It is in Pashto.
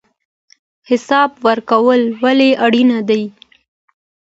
حساب ورکول ولې اړین دي؟